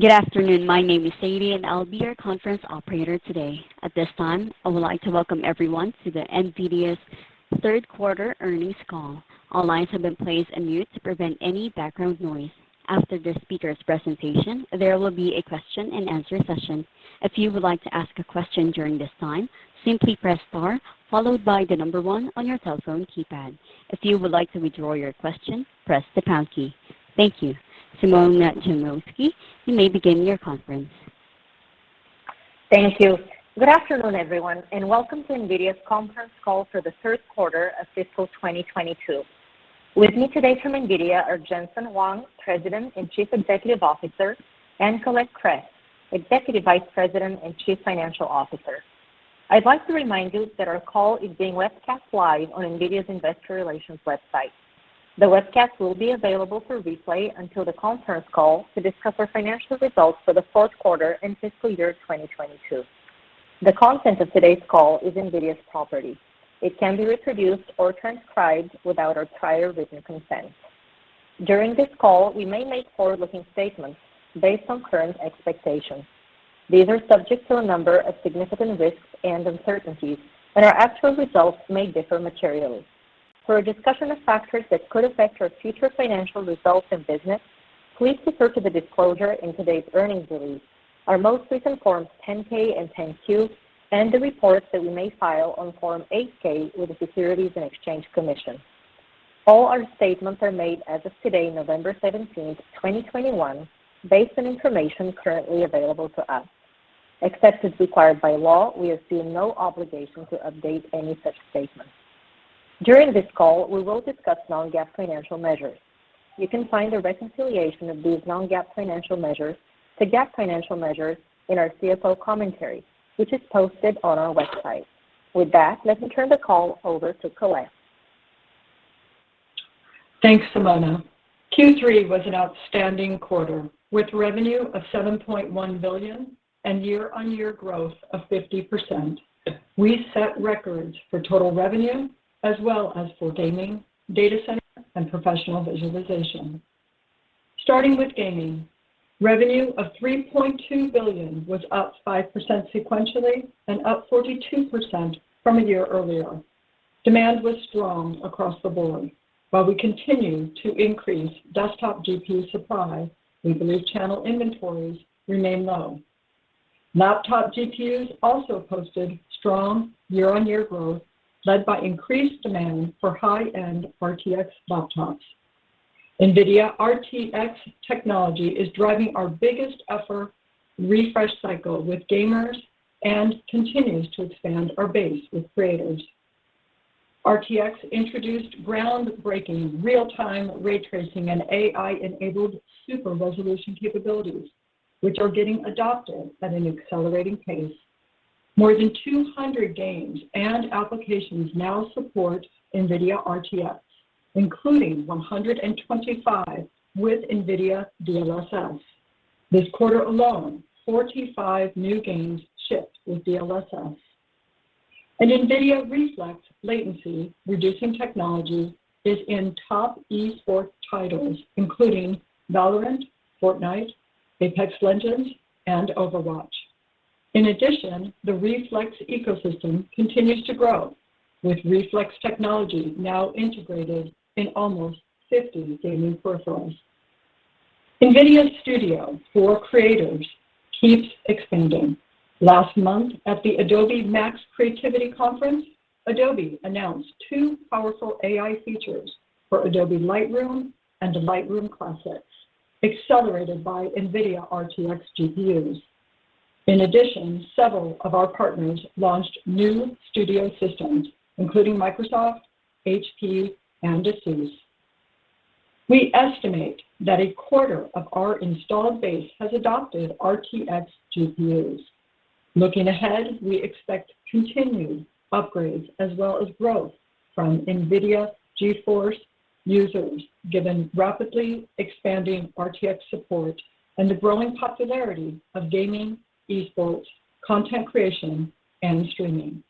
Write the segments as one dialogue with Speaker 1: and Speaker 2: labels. Speaker 1: Good afternoon. My name is Sadie, and I'll be your conference operator today. At this time, I would like to welcome everyone to NVIDIA's third-quarter earnings call. All lines have been placed on mute to prevent any background noise. After the speakers' presentation, there will be a question-and-answer session. If you would like to ask a question during this time, simply press the star followed by the number one on your telephone keypad. If you would like to withdraw your question, press the pound key. Thank you. Simona Jankowski, you may begin your conference.
Speaker 2: Thank you. Good afternoon, everyone, and welcome to NVIDIA's conference call for the third quarter of fiscal 2022. With me today from NVIDIA are Jensen Huang, President and Chief Executive Officer, and Colette Kress, Executive Vice President and Chief Financial Officer. I'd like to remind you that our call is being webcast live on NVIDIA's investor relations website. The webcast will be available for replay until the conference call to discuss our financial results for the fourth quarter and fiscal year 2022. The content of today's call is NVIDIA's property. It can be reproduced or transcribed without our prior written consent. During this call, we may make forward-looking statements based on current expectations. These are subject to a number of significant risks and uncertainties, and our actual results may differ materially. For a discussion of factors that could affect our future financial results and business, please refer to the disclosure in today's earnings release, our most recent Forms 10-K and 10-Q, and the reports that we may file on Form 8-K with the Securities and Exchange Commission. All our statements are made as of today, November 17, 2021, based on information currently available to us. Except as required by law, we assume no obligation to update any such statement. During this call, we will discuss non-GAAP financial measures. You can find a reconciliation of these non-GAAP financial measures to GAAP financial measures in our CFO commentary, which is posted on our website. With that, let me turn the call over to Colette.
Speaker 3: Thanks, Simona. Q3 was an outstanding quarter with revenue of $7.1 billion and year-on-year growth of 50%. We set records for total revenue as well as for Gaming, Data Center, and Professional Visualization. Starting with Gaming, revenue of $3.2 billion was up 5% sequentially and up 42% from a year earlier. Demand was strong across the board. While we continue to increase desktop GPU supply, we believe channel inventories remain low. Laptop GPUs also posted strong year-on-year growth led by increased demand for high-end RTX laptops. NVIDIA RTX technology is driving our biggest ever refresh cycle with gamers and continues to expand our base with creators. RTX introduced groundbreaking real-time ray tracing and AI-enabled super resolution capabilities, which are getting adopted at an accelerating pace. More than 200 games and applications now support NVIDIA RTX, including 125 with NVIDIA DLSS. This quarter alone, 45 new games shipped with DLSS. NVIDIA Reflex latency-reducing technology is in top esports titles, including Valorant, Fortnite, Apex Legends, and Overwatch. In addition, the Reflex ecosystem continues to grow with Reflex technology now integrated in almost 50 gaming peripherals. NVIDIA Studio for creators keeps expanding. Last month, at the Adobe MAX creativity conference, Adobe announced two powerful AI features for Adobe Lightroom and Lightroom Classic, accelerated by NVIDIA RTX GPUs. In addition, several of our partners launched new studio systems, including Microsoft, HP, and ASUS. We estimate that a quarter of our installed base has adopted RTX GPUs. Looking ahead, we expect continued upgrades as well as growth from NVIDIA GeForce users, given rapidly expanding RTX support and the growing popularity of gaming, esports, content creation, and streaming.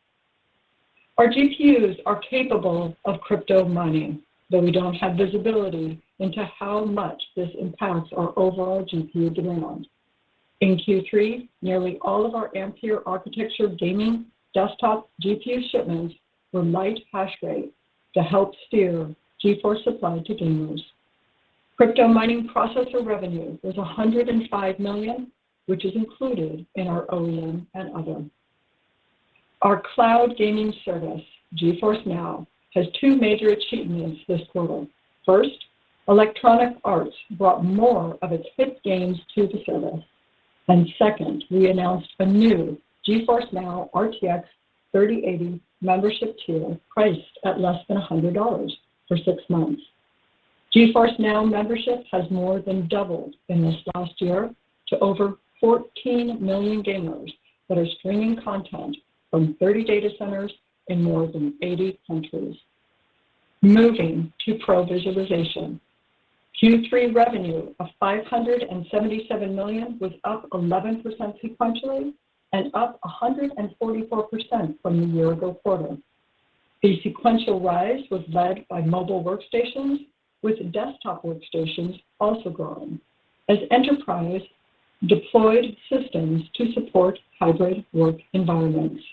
Speaker 3: Our GPUs are capable of crypto mining, though we don't have visibility into how much this impacts our overall GPU demand. In Q3, nearly all of our Ampere architecture gaming desktop GPU shipments were Lite Hash Rate to help steer GeForce supply to gamers. Crypto mining processor revenue was $105 million, which is included in our OEM and other. Our cloud gaming service, GeForce NOW, has two major achievements this quarter. First, Electronic Arts brought more of its hit games to the service. Second, we announced a new GeForce NOW RTX 3080 membership tier priced at less than $100 for six months. GeForce NOW membership has more than doubled in the last year to over 14 million gamers who are streaming content from 30 data centers in more than 80 countries. Moving to Professional Visualization. Q3 revenue of $577 million was up 11% sequentially and up 144% from the year-ago quarter. The sequential rise was led by mobile workstations, with desktop workstations also growing as enterprise-deployed systems to support hybrid work environments.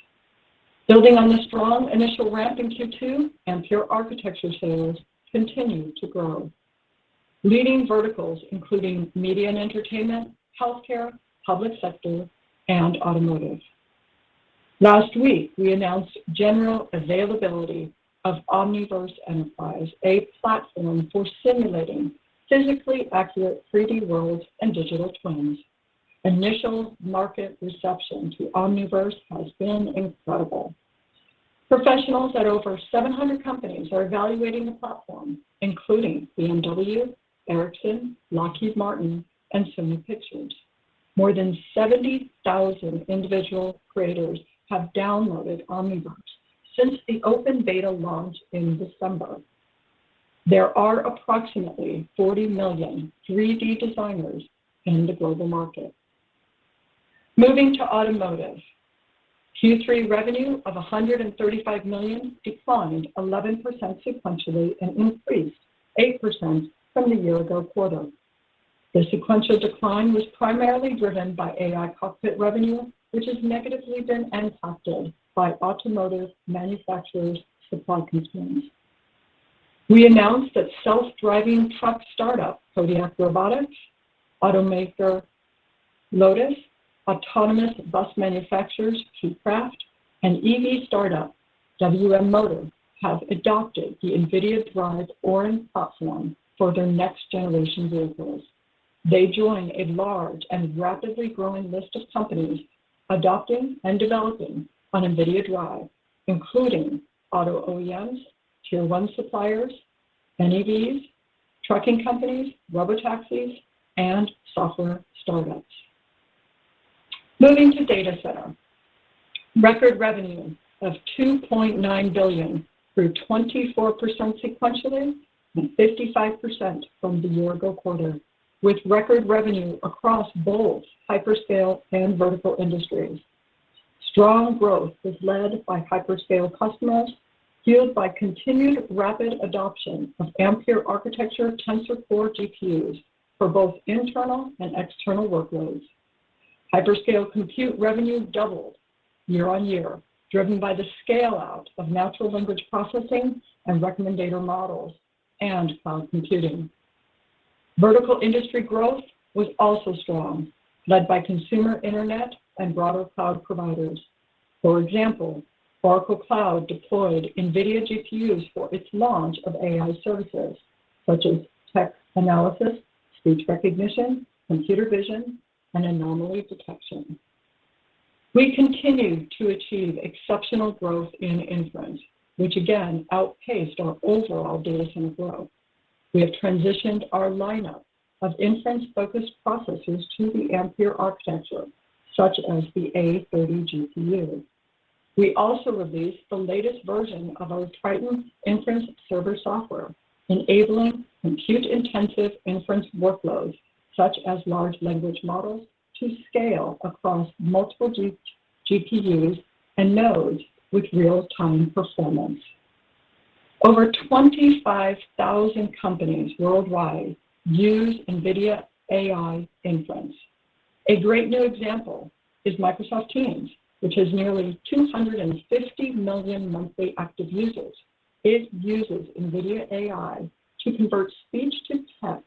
Speaker 3: Building on the strong initial ramp in Q2, Ampere architecture sales continued to grow. Leading verticals include media and entertainment, healthcare, public sector, and automotive. Last week, we announced general availability of Omniverse Enterprise, a platform for simulating physically accurate 3D worlds and digital twins. Initial market reception to Omniverse has been incredible. Professionals at over 700 companies are evaluating the platform, including BMW, Ericsson, Lockheed Martin, and Sony Pictures. More than 70,000 individual creators have downloaded Omniverse since the open beta launch in December. There are approximately 40 million 3D designers in the global market. Moving to automotive. Q3 revenue of $135 million declined 11% sequentially and increased 8% from the year-ago quarter. The sequential decline was primarily driven by AI cockpit revenue, which has been negatively impacted by automotive manufacturers' supply constraints. We announced that self-driving truck startup Kodiak Robotics, automaker Lotus, autonomous bus manufacturers Qcraft, and EV startup WM Motor have adopted the NVIDIA DRIVE Orin platform for their next-generation vehicles. They join a large and rapidly growing list of companies adopting and developing on NVIDIA DRIVE, including auto OEMs, tier one suppliers, AVs, trucking companies, robotaxis, and software startups. Moving to the data center. Record revenue of $2.9 billion grew 24% sequentially and 55% from the year-ago quarter, with record revenue across both hyperscale and vertical industries. Strong growth was led by hyperscale customers, fueled by continued rapid adoption of Ampere architecture Tensor Core GPUs for both internal and external workloads. Hyperscale compute revenue doubled year-on-year, driven by the scale-out of natural language processing and recommender models and cloud computing. Vertical industry growth was also strong, led by consumer internet and broader cloud providers. For example, Oracle Cloud deployed NVIDIA GPUs for its launch of AI services such as text analysis, speech recognition, computer vision, and anomaly detection. We continued to achieve exceptional growth in inference, which again outpaced our overall data center growth. We have transitioned our lineup of inference-focused processors to the Ampere architecture, such as the A30 GPU. We also released the latest version of our NVIDIA Triton Inference Server software, enabling compute-intensive inference workloads such as large language models to scale across multiple GPUs and nodes with real-time performance. Over 25,000 companies worldwide use NVIDIA AI inference. A great new example is Microsoft Teams, which has nearly 250 million monthly active users. It uses NVIDIA AI to convert speech to text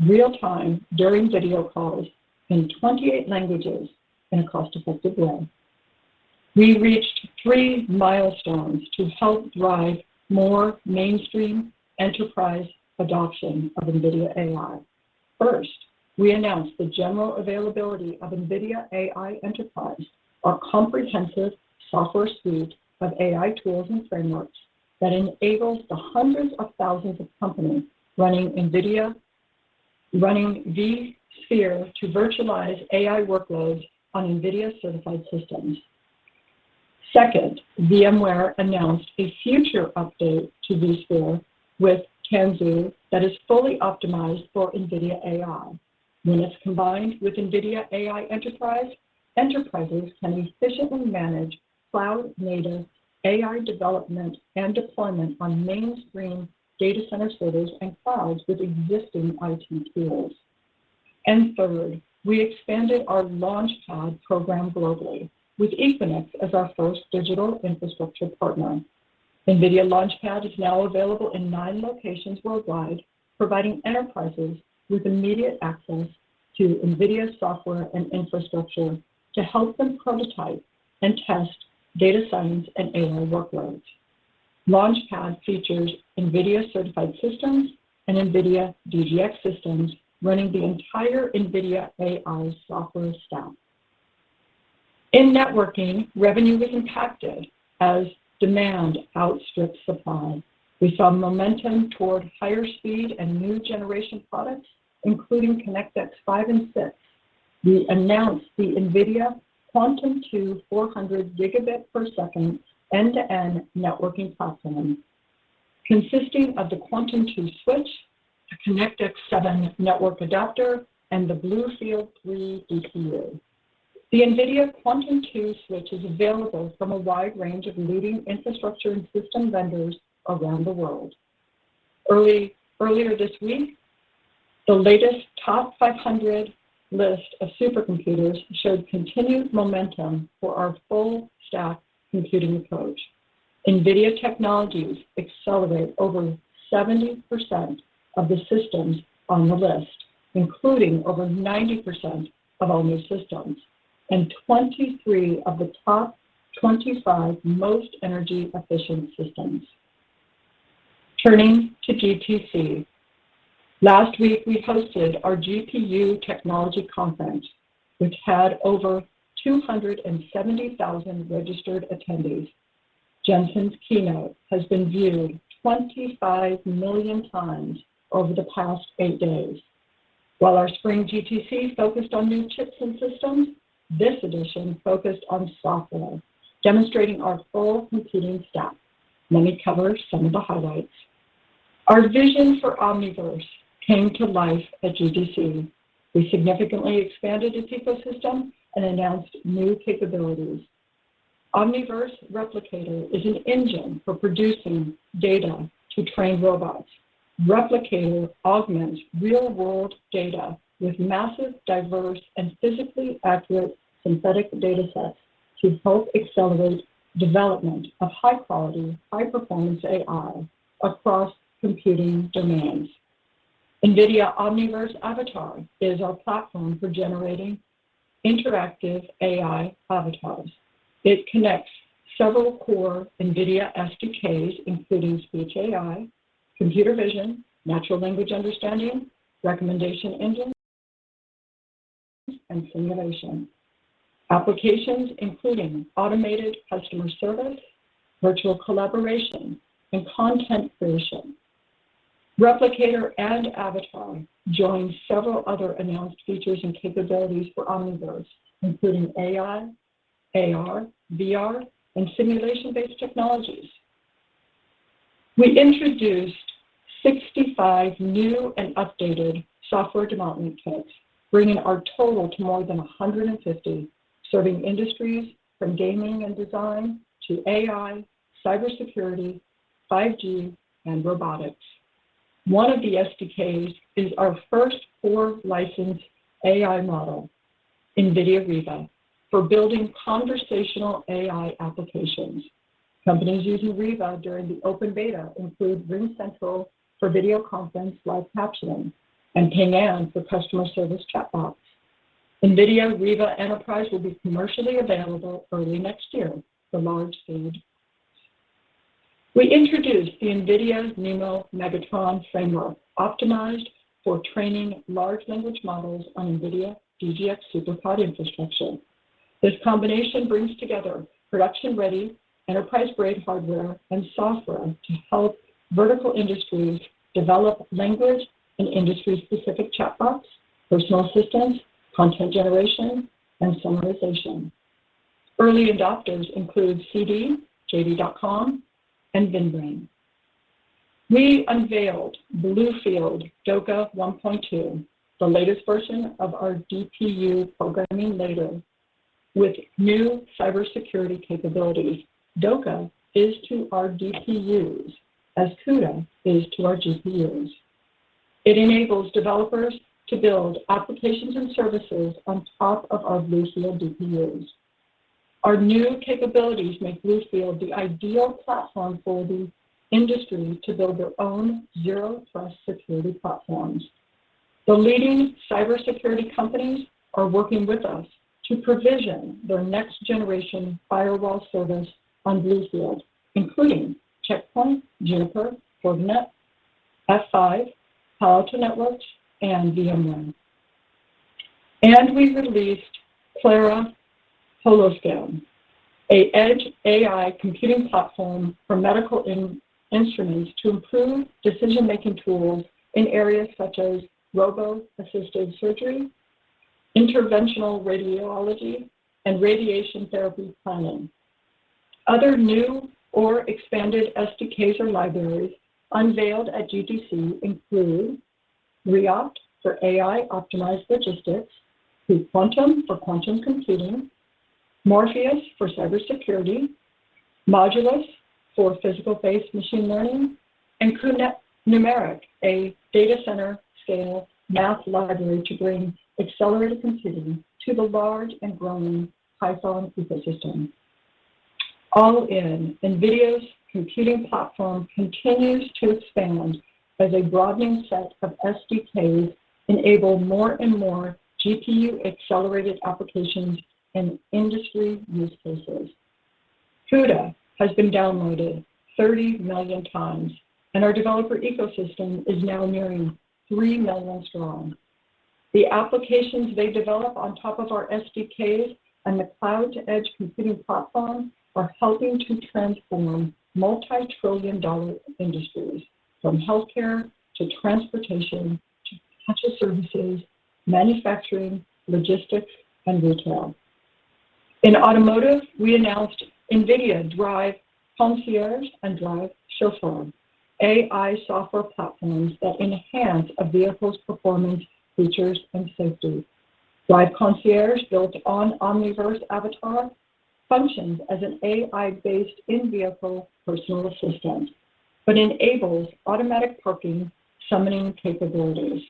Speaker 3: in real-time during video calls in 28 languages in a cost-effective way. We reached three milestones to help drive more mainstream enterprise adoption of NVIDIA AI. First, we announced the general availability of NVIDIA AI Enterprise, our comprehensive software suite of AI tools and frameworks that enables the hundreds of thousands of companies running vSphere to virtualize AI workloads on NVIDIA-certified systems. Second, VMware announced a future update to vSphere with Tanzu that is fully optimized for NVIDIA AI. When it's combined with NVIDIA AI Enterprise, enterprises can efficiently manage cloud-native AI development and deployment on mainstream data center servers and clouds with existing IT tools. Third, we expanded our LaunchPad program globally, with Equinix as our first digital infrastructure partner. NVIDIA LaunchPad is now available in nine locations worldwide, providing enterprises with immediate access to NVIDIA software and infrastructure to help them prototype and test data science and AI workloads. LaunchPad features NVIDIA-certified systems and NVIDIA DGX systems running the entire NVIDIA AI software stack. In networking, revenue was impacted as demand outstripped supply. We saw momentum toward higher speed and new generation products, including ConnectX-5 and ConnectX-6. We announced the NVIDIA Quantum-2 400 Gb/s end-to-end networking platform, consisting of the Quantum-2 switch, the ConnectX-7 network adapter, and the BlueField-3 DPU. The NVIDIA Quantum-2 switch is available from a wide range of leading infrastructure and system vendors around the world. Earlier this week, the latest top 500 list of supercomputers showed continued momentum for our full-stack computing approach. NVIDIA technologies accelerate over 70% of the systems on the list, including over 90% of all new systems and 23 of the top 25 most energy-efficient systems. Turning to GTC. Last week, we hosted our GPU technology conference, which had over 270,000 registered attendees. Jensen's keynote has been viewed 25 million times over the past eight days. While our spring GTC focused on new chips and systems, this edition focused on software, demonstrating our full computing stack. Let me cover some of the highlights. Our vision for Omniverse came to life at GTC. We significantly expanded its ecosystem and announced new capabilities. Omniverse Replicator is an engine for producing data to train robots. Replicator augments real-world data with massive, diverse, and physically accurate synthetic datasets to help accelerate the development of high-quality, high-performance AI across computing domains. NVIDIA Omniverse Avatar is our platform for generating interactive AI avatars. It connects several core NVIDIA SDKs, including speech AI, computer vision, natural language understanding, recommendation engines, and simulation applications, including automated customer service, virtual collaboration, and content creation. Replicator and Avatar join several other announced features and capabilities for Omniverse, including AI, AR, VR, and simulation-based technologies. We introduced 65 new and updated software development kits, bringing our total to more than 150, serving industries from gaming and design to AI, cybersecurity, 5G, and robotics. One of the SDKs is our first core licensed AI model, NVIDIA Riva, for building conversational AI applications. Companies using Riva during the open beta include RingCentral for video conference live captioning and Ping An for customer service chatbots. NVIDIA Riva Enterprise will be commercially available early next year for large-scale. We introduced the NVIDIA NeMo Megatron framework, optimized for training large language models on NVIDIA DGX SuperPOD infrastructure. This combination brings together production-ready enterprise-grade hardware and software to help vertical industries develop language and industry-specific chatbots, personal assistants, content generation, and summarization. Early adopters include CIB, JD.com, and VinBrain. We unveiled BlueField DOCA 1.2, the latest version of our DPU programming layer with new cybersecurity capabilities. DOCA is to our DPUs as CUDA is to our GPUs. It enables developers to build applications and services on top of our BlueField DPUs. Our new capabilities make BlueField the ideal platform for the industry to build its own zero-trust security platforms. The leading cybersecurity companies are working with us to provision their next-generation firewall service on BlueField, including Check Point, Juniper, Fortinet, F5, Palo Alto Networks, and VMware. We released Clara Holoscan, an edge AI computing platform for medical instruments to improve decision-making tools in areas such as robo-assisted surgery, interventional radiology, and radiation therapy planning. Other new or expanded SDKs or libraries unveiled at GTC include cuOpt for AI-optimized logistics, cuQuantum for quantum computing, Morpheus for cybersecurity, Modulus for physics-based machine learning, and cuNumeric, a data-center-scale math library to bring accelerated computing to the large and growing Python ecosystem. All in, NVIDIA's computing platform continues to expand as a broadening set of SDKs enables more and more GPU-accelerated applications and industry use cases. CUDA has been downloaded 30 million times, and our developer ecosystem is now nearing 3 million strong. The applications they develop on top of our SDKs and the cloud-to-edge computing platform are helping to transform multi-trillion-dollar industries from healthcare to transportation to financial services, manufacturing, logistics, and retail. In automotive, we announced NVIDIA DRIVE Concierge and DRIVE Chauffeur, AI software platforms that enhance a vehicle's performance, features, and safety. DRIVE Concierge, built on Omniverse Avatar, functions as an AI-based in-vehicle personal assistant, but enables automatic parking summoning capabilities.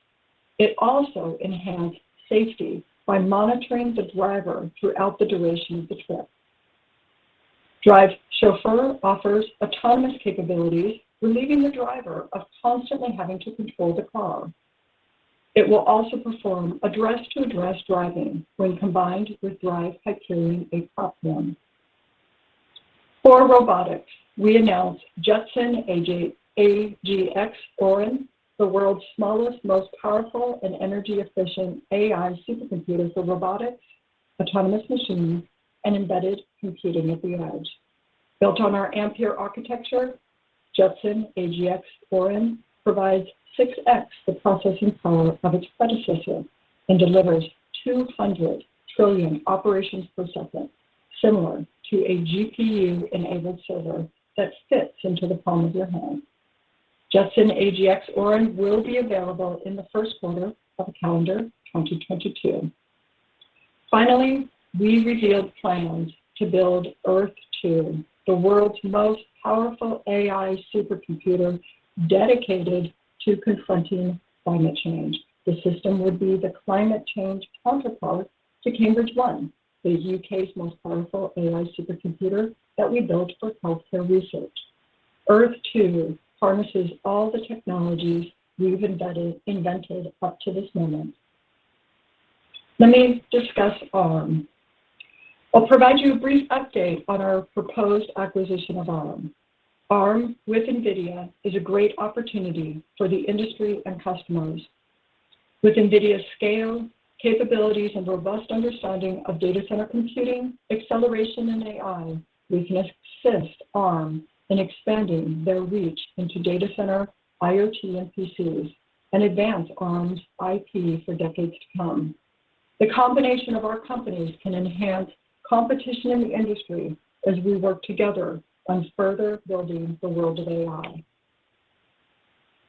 Speaker 3: It also enhances safety by monitoring the driver throughout the duration of the trip. DRIVE Chauffeur offers autonomous capabilities, relieving the driver of constantly having to control the car. It will also perform address-to-address driving when combined with the DRIVE Hyperion 8 platform. For robotics, we announced Jetson AGX Orin, the world's smallest, most powerful, and energy-efficient AI supercomputers for robotics, autonomous machines, and embedded computing at the edge. Built on our Ampere architecture, Jetson AGX Orin provides 6X the processing power of its predecessor and delivers 200 trillion operations per second, similar to a GPU-enabled server that fits into the palm of your hand. Jetson AGX Orin will be available in the first quarter of calendar 2022. Finally, we revealed plans to build Earth-2, the world's most powerful AI supercomputer dedicated to confronting climate change. The system would be the climate change counterpart to Cambridge-1, the U.K.'s most powerful AI supercomputer that we built for healthcare research. Earth-2 harnesses all the technologies we've invented up to this moment. Let me discuss Arm. I'll provide you with a brief update on our proposed acquisition of Arm. Arm with NVIDIA is a great opportunity for the industry and customers. With NVIDIA's scale, capabilities, and robust understanding of data center computing, acceleration, and AI, we can assist Arm in expanding its reach into data center, IoT, and PCs, and advance Arm's IP for decades to come. The combination of our companies can enhance competition in the industry as we work together on further building the world of AI.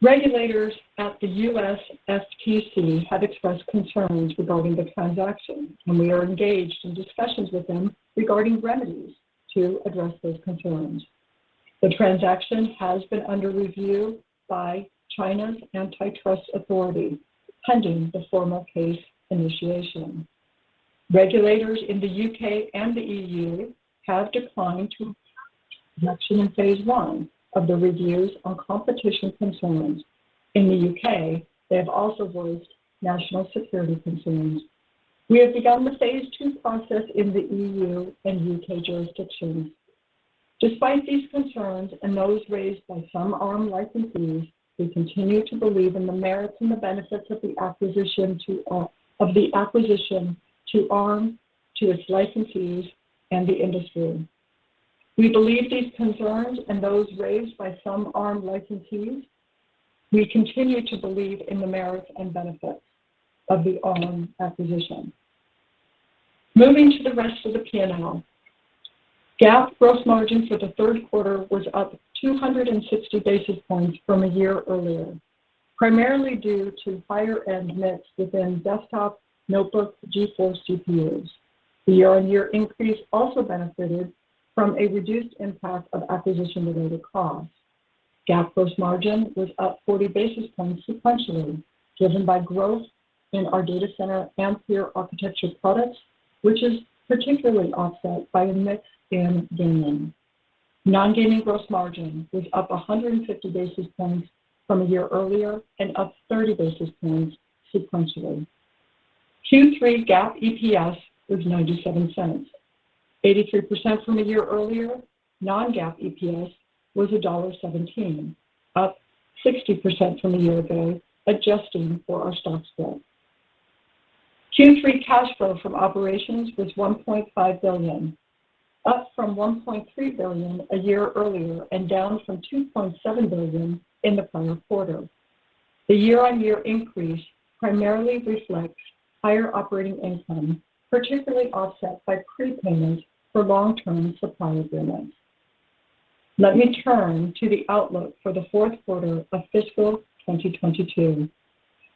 Speaker 3: Regulators at the U.S. FTC have expressed concerns regarding the transaction, and we are engaged in discussions with them regarding remedies to address those concerns. The transaction has been under review by China's Antitrust Authority pending the formal case initiation. Regulators in the U.K. and the EU have declined to conclusion in phase one of the reviews on competition concerns. In the U.K., they have also voiced national security concerns. We have begun the phase two process in the EU and U.K. jurisdictions. Despite these concerns and those raised by some Arm licensees, we continue to believe in the merits and the benefits of the acquisition to Arm, to its licensees, and the industry. We continue to believe in the merits and benefits of the Arm acquisition. Moving to the rest of the P&L, GAAP gross margin for the third quarter was up 260 basis points from a year earlier, primarily due to a higher-end mix within desktop, notebook, and GeForce GPUs. The year-on-year increase also benefited from a reduced impact of acquisition-related costs. GAAP gross margin was up 40 basis points sequentially, driven by growth in our data center Ampere architecture products, which is partially offset by a mix in gaming. Non-gaming gross margin was up 150 basis points from a year earlier and up 30 basis points sequentially. Q3 GAAP EPS was $0.97, 83% from a year earlier. Non-GAAP EPS was $1.17, up 60% from a year ago, adjusting for our stock split. Q3 cash flow from operations was $1.5 billion, up from $1.3 billion a year earlier and down from $2.7 billion in the prior quarter. The year-on-year increase primarily reflects higher operating income, partially offset by prepayment for long-term supply agreements. Let me turn to the outlook for the fourth quarter of fiscal 2022.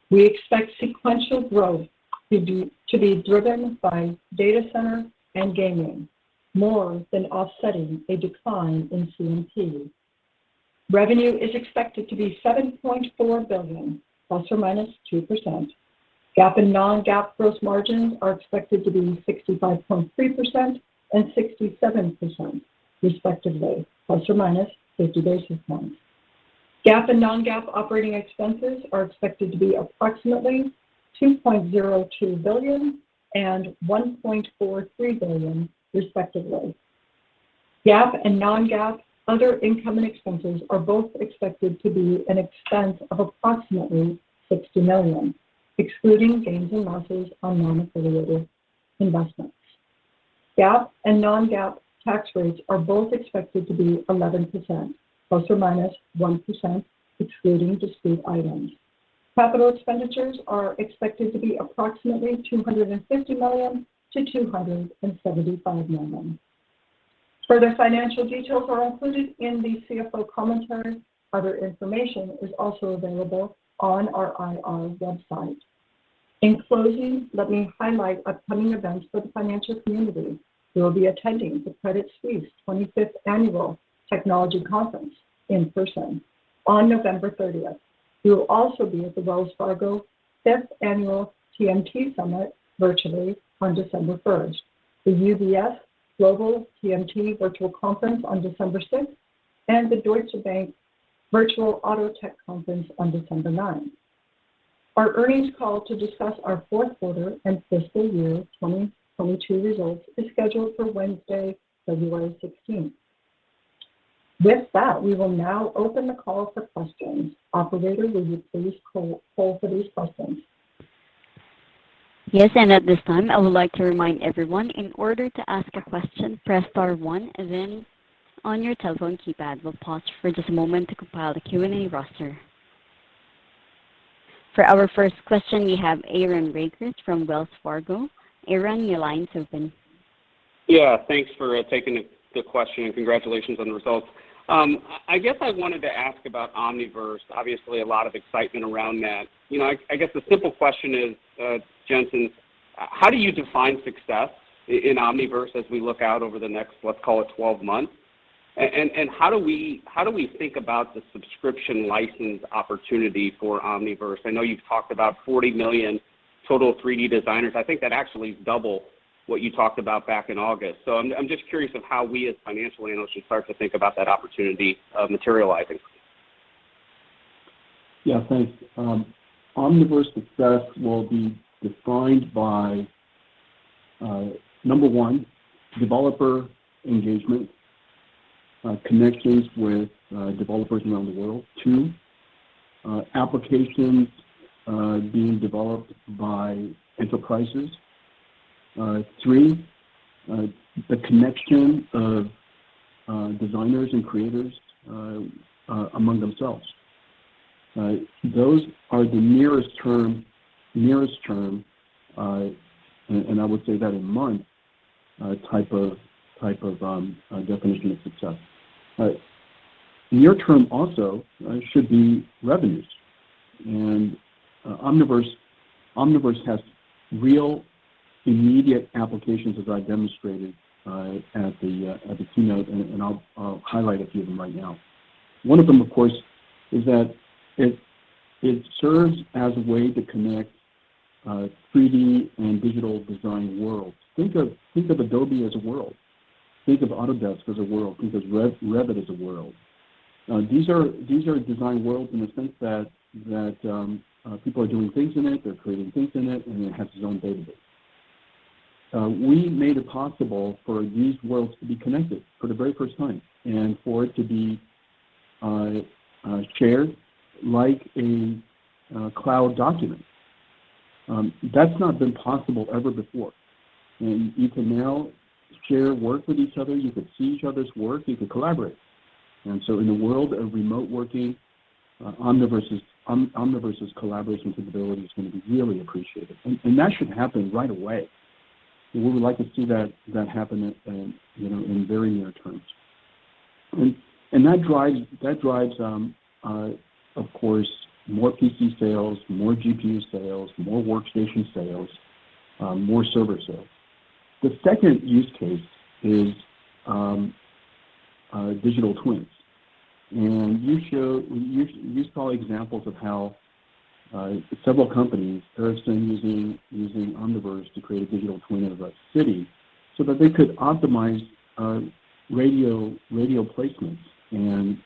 Speaker 3: We expect sequential growth to be driven by data center and gaming, more than offsetting a decline in CMP. Revenue is expected to be $7.4 billion ±2%. GAAP and non-GAAP gross margins are expected to be 65.3% and 67%, respectively, ±50 basis points. GAAP and non-GAAP operating expenses are expected to be approximately $2.02 billion and $1.43 billion, respectively. GAAP and non-GAAP other income and expenses are both expected to be an expense of approximately $60 million, excluding gains and losses on non-affiliated investments. GAAP and non-GAAP tax rates are both expected to be 11% ±1%, excluding discrete items. Capital expenditures are expected to be approximately $250 million-$275 million. Further financial details are included in the CFO commentary. Other information is also available on our IR website. In closing, let me highlight upcoming events for the financial community. We will be attending the Credit Suisse 25th Annual Technology Conference in person on November 30. We will also be at the Wells Fargo 5th Annual TMT Summit virtually on December 1, the UBS Global TMT Virtual Conference on December 6, and the Deutsche Bank Virtual Auto Tech Conference on December 9. Our earnings call to discuss our fourth quarter and fiscal year 2022 results is scheduled for Wednesday, February 16. With that, we will now open the call for questions. Operator, will you please call for these questions?
Speaker 1: Yes. At this time, I would like to remind everyone that in order to ask a question, press star one, then on your telephone keypad. We'll pause for just a moment to compile the Q&A roster. For our first question, we have Aaron Rakers from Wells Fargo. Aaron, your line's open.
Speaker 4: Yeah. Thanks for taking the question, and congratulations on the results. I guess I wanted to ask about Omniverse. Obviously, a lot of excitement around that. You know, I guess the simple question is, Jensen, how do you define success in Omniverse as we look out over the next 12 months? And how do we think about the subscription license opportunity for Omniverse? I know you've talked about 40 million, the total number of 3D designers. I think that actually is double what you talked about back in August. I'm just curious about how we, as financial analysts, should start to think about that opportunity materializing.
Speaker 5: Yeah. Thanks. Omniverse's success will be defined by number one: developer engagement and connections with developers around the world. Two, applications being developed by enterprises. Three, the connection of designers and creators among themselves. Those are the nearest terms, and I would say that a monthly type of definition of success. Near-term revenues should also be considered. Omniverse has real, immediate applications, as I demonstrated at the keynote, and I'll highlight a few of them right now. One of them, of course, is that it serves as a way to connect the 3D and digital design worlds. Think of Adobe as a world. Think of Autodesk as a world. Think of Revit as a world. These are design worlds in the sense that people are doing things in them, they're creating things in them, and they have their own database. We made it possible for these worlds to be connected for the very first time and for it to be shared like a cloud document. That's not been possible ever before. You can now share work with each other, you can see each other's work, and you can collaborate. In a world of remote working, Omniverse's collaboration capability is gonna be really appreciated. That should happen right away. We would like to see that happen at, you know, in very near terms. That drives, of course, more PC sales, more GPU sales, more workstation sales, more server sales. The second use case is digital twins. You saw examples of how several companies, such as Ericsson, use Omniverse to create a digital twin of a city so that they could optimize radio placements and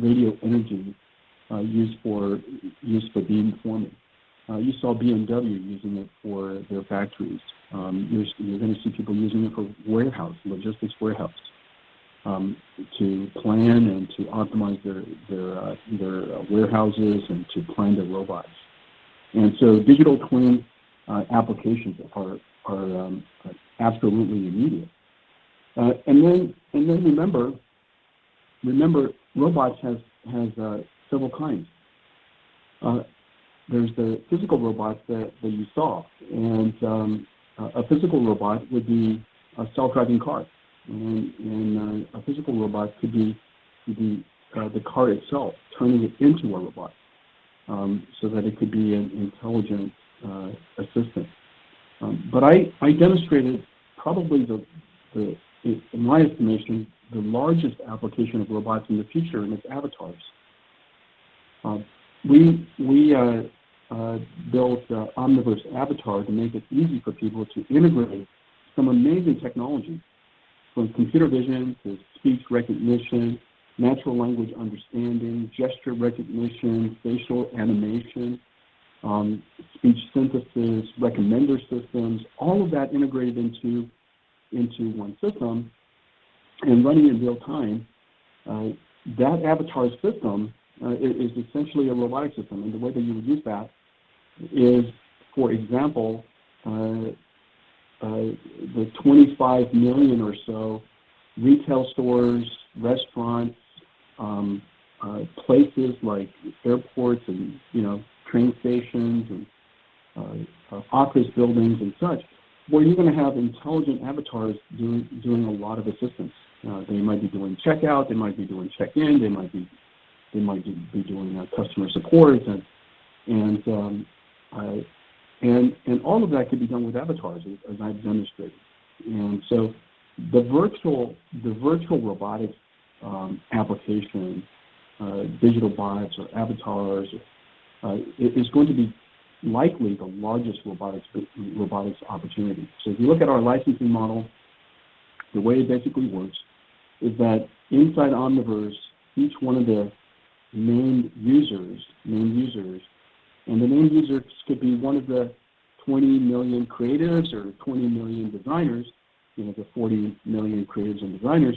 Speaker 5: radio energy used for beamforming. You saw BMW using it for their factories. You're gonna see people using it for warehouse logistics warehouse to plan and to optimize their warehouses, and to plan their robots. Digital twin applications are absolutely immediate. Remember, robots have several kinds. There's the physical robots that you saw, and a physical robot would be a self-driving car. A physical robot could be the car itself, turning it into a robot so that it could be an intelligent assistant. I demonstrated probably the largest application of robots in the future, in my estimation, and it's avatars. We built Omniverse Avatar to make it easy for people to integrate some amazing technology from computer vision to speech recognition, natural language understanding, gesture recognition, facial animation, speech synthesis, recommender systems, all of that integrated into one system and running in real time. That avatar system is essentially a robotic system, and the way that you would use that is, for example, the 25 million or so retail stores, restaurants, places like airports, and, you know, train stations, office buildings, and such, where you're gonna have intelligent avatars doing a lot of assistance. They might be doing checkout, they might be doing check-in, or they might be doing customer support. All of that can be done with avatars as I've demonstrated. The virtual robotic application, digital bots, or avatars, is likely to be the largest robotics opportunity. If you look at our licensing model, the way it basically works is that inside Omniverse, each one of the named users could be one of the 20 million creatives or 20 million designers, you know, the 40 million creatives and designers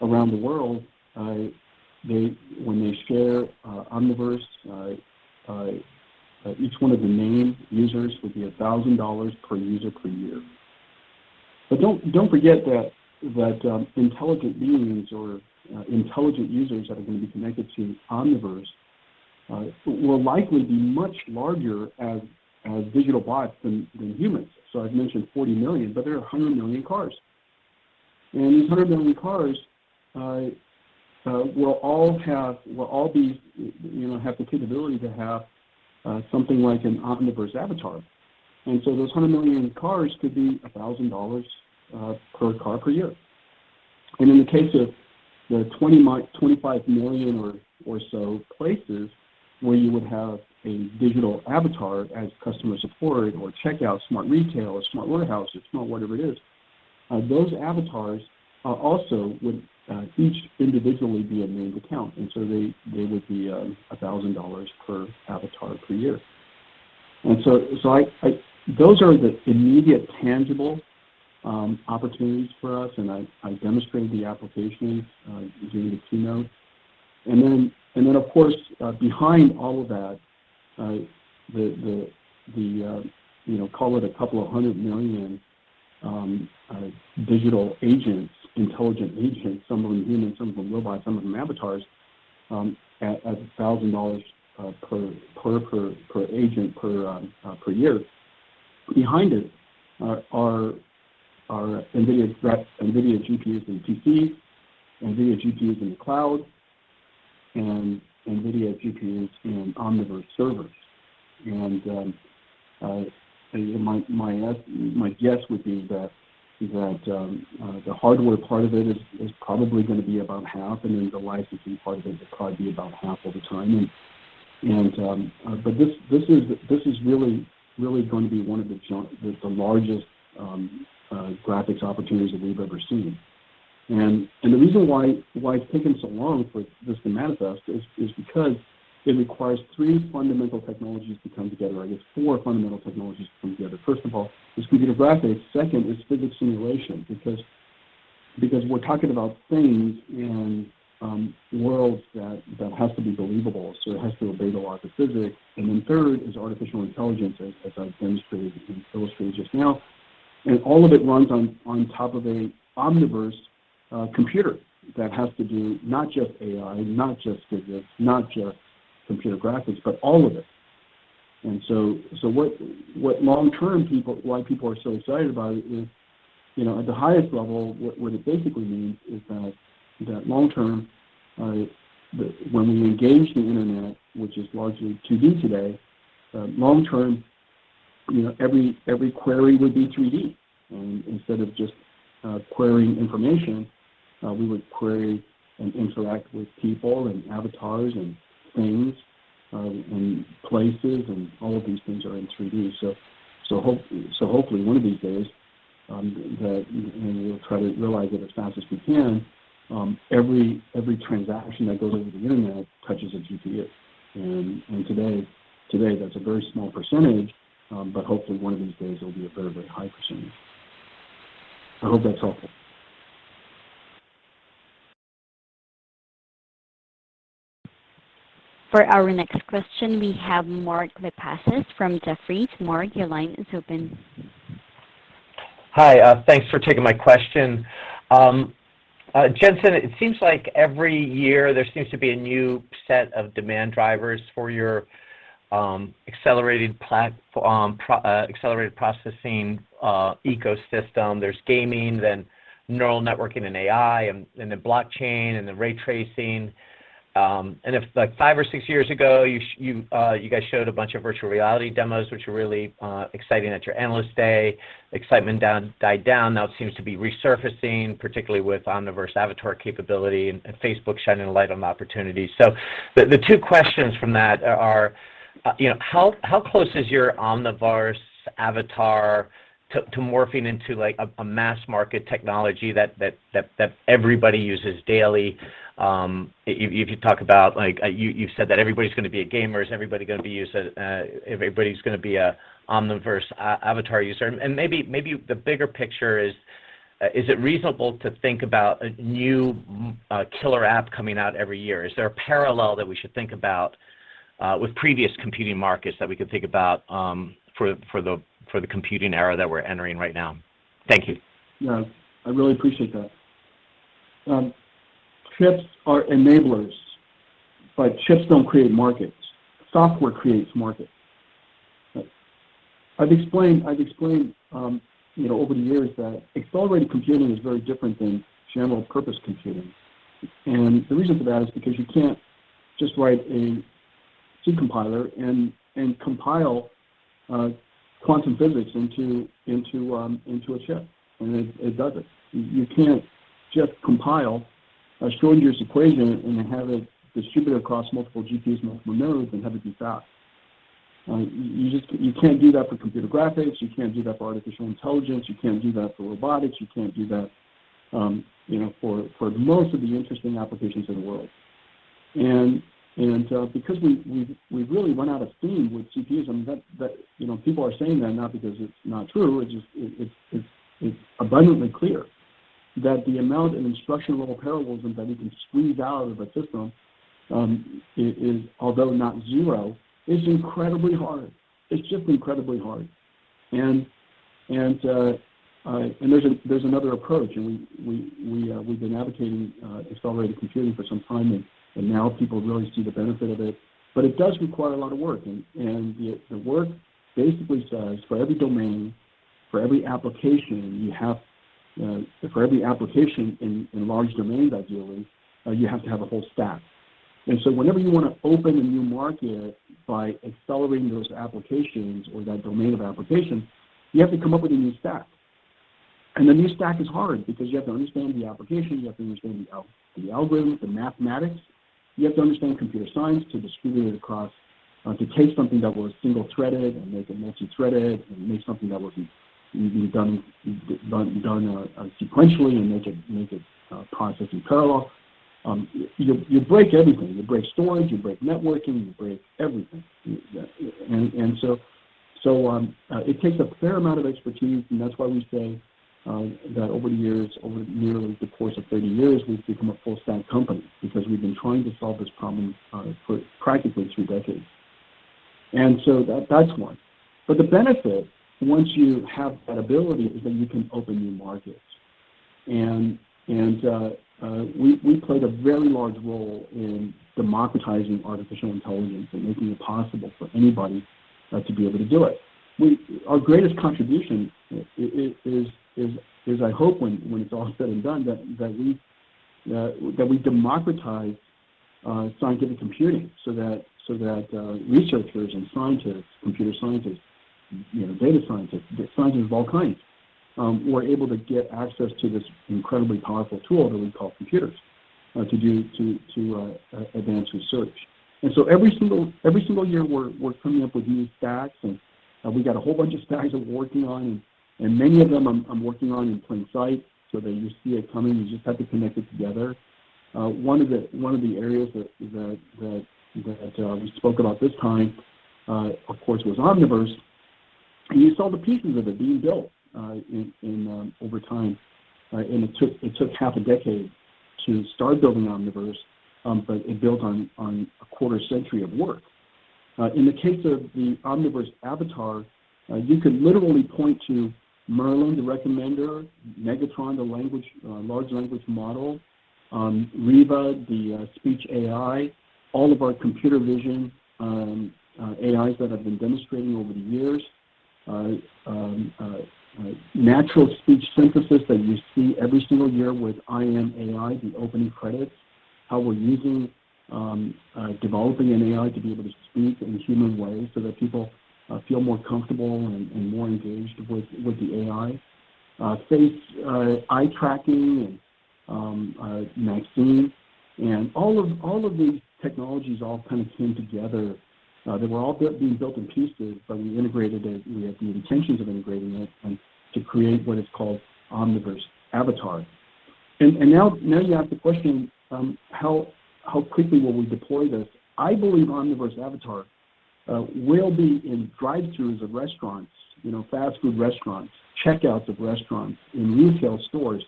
Speaker 5: around the world. When they share Omniverse, each one of the named users would be $1,000 per user per year. But don't forget that intelligent beings or intelligent users that are gonna be connected to Omniverse will likely be much larger as digital bots than humans. I've mentioned 40 million, but there are 100 million cars. These 100 million cars will all have the capability to have something like an Omniverse avatar. Those 100 million cars could be $1,000 per car per year. In the case of the 25 million or so places where you would have a digital avatar as customer support or checkout, smart retail, a smart warehouse, a smart whatever it is, those avatars also would each individually be a named account. They would be $1,000 per avatar per year. Those are the immediate tangible opportunities for us, and I demonstrated the application during the keynote. Of course, behind all of that, you know, call it 200 million digital agents, intelligent agents, some of them humans, some of them robots, some of them avatars, at $1,000 per agent per year. Behind it are NVIDIA's GPUs, NVIDIA's GPUs in PCs, NVIDIA GPUs in clouds, and NVIDIA GPUs in Omniverse servers. My guess would be that the hardware part of it is probably gonna be about half, and then the licensing part of it would probably be about half over time. But this is really going to be one of the largest graphics opportunities that we've ever seen. The reason it's taken so long for this to manifest is that it requires three fundamental technologies to come together, I guess four fundamental technologies to come together. First of all, it is computer graphics. Second is physics simulation, because we're talking about things in worlds that have to be believable, so it has to obey the laws of physics. Third is artificial intelligence, as I've demonstrated and illustrated just now. All of it runs on top of an Omniverse computer that has to do not just AI, not just physics, not just computer graphics, but all of it. Why people are so excited about it is, you know, at the highest level, what it basically means is that long term, when we engage the internet, which is largely 2D today, long term, you know, every query would be 3D. Instead of just querying information, we would query and interact with people and avatars and things, and places, and all of these things are in 3D. Hopefully, one of these days, we'll try to realize it as fast as we can; every transaction that goes over the internet touches a GPU. Today, that's a very small percentage, but hopefully one of these days it'll be a very high percentage. I hope that's helpful.
Speaker 1: For our next question, we have Mark Lipacis from Jefferies. Mark, your line is open.
Speaker 6: Hi. Thanks for taking my question. Jensen, it seems like every year there seems to be a new set of demand drivers for your accelerated processing ecosystem. There's gaming, then neural networks and AI, and then blockchain, and then ray tracing. And if, like five or six years ago, you guys showed a bunch of virtual reality demos, which were really exciting at your Analyst Day. Excitement died down. Now it seems to be resurfacing, particularly with Omniverse Avatar capability and Facebook shining a light on the opportunity. The two questions from that are, you know, how close is your Omniverse Avatar to morphing into like a mass market technology that everybody uses daily? If you talk about, like, you said that everybody's gonna be a gamer. Is everybody gonna be an Omniverse Avatar user? Maybe the bigger picture is reasonable to think about a new killer app coming out every year? Is there a parallel that we should think about with previous computing markets that we could think about for the computing era that we're entering right now? Thank you.
Speaker 5: Yeah, I really appreciate that. Chips are enablers, but chips don't create markets. Software creates markets. I've explained over the years that accelerated computing is very different from general-purpose computing. The reason for that is that you can't just write a C compiler and compile quantum physics into a chip, and it does it. You can't just compile a Schrödinger's equation and have it distributed across multiple GPUs, multiple nodes, and have it be fast. You can't do that for computer graphics. You can't do that for artificial intelligence. You can't do that for robotics. You can't do that for most of the interesting applications in the world. Because we've really run out of steam with GPUs, and people are saying that, not because it's not true, it's abundantly clear that the amount of instruction-level parallelism that we can squeeze out of a system is, although not zero, incredibly hard. It's just incredibly hard. There's another approach, and we've been advocating accelerated computing for some time, and now people really see the benefit of it. But it does require a lot of work. The work basically says for every domain, for every application you have, for every application in large domains, ideally, you have to have a whole stack. So whenever you want to open a new market by accelerating those applications or that domain of application, you have to come up with a new stack. The new stack is hard because you have to understand the application, you have to understand the algorithms, and the mathematics. You have to understand computer science to distribute it across, to take something that was single-threaded and make it multi-threaded, and make something that was done sequentially and make it process in parallel. You break everything. You break storage, you break networking, you break everything. It takes a fair amount of expertise. That's why we say that over the years, over nearly the course of 30 years, we've become a full-stack company because we've been trying to solve this problem for practically three decades. That's one. The benefit, once you have that ability, is that you can open new markets. We played a very large role in democratizing artificial intelligence and making it possible for anybody to be able to do it. Our greatest contribution is, I hope, when it's all said and done, that we democratize scientific computing so that researchers and scientists, computer scientists, data scientists of all kinds, are able to get access to this incredibly powerful tool that we call computers to advance research. Every single year, we're coming up with new stacks, and we've got a whole bunch of stacks we're working on. Many of them I'm working on in plain sight, so that you see it coming. You just have to connect them together. One of the areas that we spoke about this time, of course, was Omniverse. You saw the pieces of it being built over time. It took half a decade to start building Omniverse, but it was built on a quarter-century of work. In the case of the Omniverse Avatar, you could literally point to Merlin, the recommender, Megatron, the large language model, Riva, the speech AI, all of our computer vision AIs that I've been demonstrating over the years, natural speech synthesis that you see every single year with I AM AI, the opening credits, how we're using developing an AI to be able to speak in human ways so that people feel more comfortable and more engaged with the AI, face eye tracking, and Maxine. All of these technologies kind of came together. They were all being built in pieces, but we integrated them. We had the intention of integrating it to create what is called Omniverse Avatar. Now you ask the question, how quickly will we deploy this? I believe Omniverse Avatar will be in drive-throughs of restaurants, fast food restaurants, checkouts of restaurants, and in retail stores